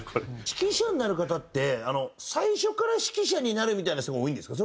指揮者になる方って最初から指揮者になるみたいな人が多いんですか？